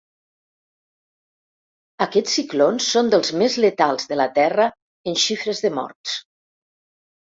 Aquests ciclons són dels més letals de la terra en xifres de morts.